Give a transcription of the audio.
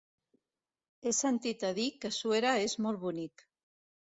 He sentit a dir que Suera és molt bonic.